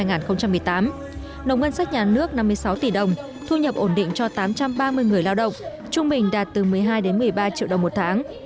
nồng ngân sách nhà nước năm mươi sáu tỷ đồng thu nhập ổn định cho tám trăm ba mươi người lao động trung bình đạt từ một mươi hai một mươi ba triệu đồng một tháng